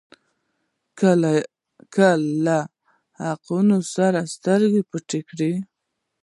که له حقیقتونو سترګې پټې کړئ.